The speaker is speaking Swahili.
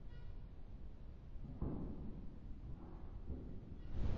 Kuna maoni mbalimbali ya wadau juu ya ukuzaji wa sekta hii